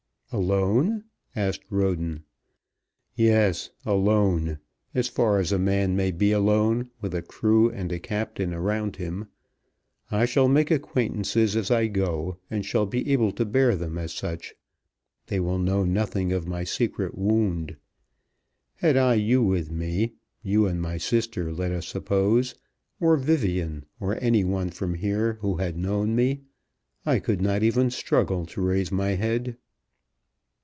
"Alone?" asked Roden. "Yes, alone; as far as a man may be alone with a crew and a captain around him. I shall make acquaintances as I go, and shall be able to bear them as such. They will know nothing of my secret wound. Had I you with me, you and my sister let us suppose, or Vivian, or any one from here who had known me, I could not even struggle to raise my head."